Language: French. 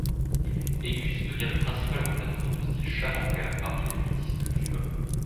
Egües devient le principal représentant du style charanga parmi les flûtistes cubains.